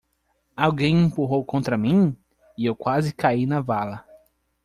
Alguém empurrou contra mim? e eu quase caí na vala.